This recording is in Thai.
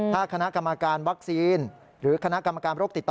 ถ้าคณะกรรมการวัคซีนหรือคณะกรรมการโรคติดต่อ